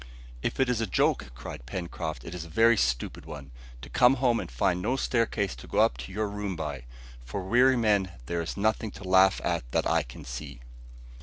"If it is a joke," cried Pencroft, "it is a very stupid one; to come home and find no staircase to go up to your room by; for weary men, there is nothing to laugh at that I can see."